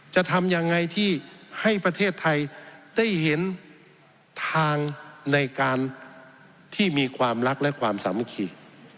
จะทำยังไงที่ให้ประเทศไทยได้เห็นทางในการที่มีความรักและความสามัคคี